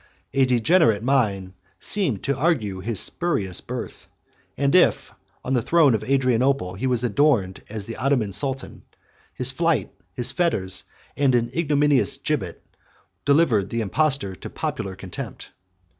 A degenerate mind seemed to argue his spurious birth; and if, on the throne of Adrianople, he was adored as the Ottoman sultan, his flight, his fetters, and an ignominious gibbet, delivered the impostor to popular contempt.